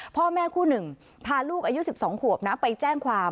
พ่อแม่คู่หนึ่งพาลูกอายุ๑๒ขวบนะไปแจ้งความ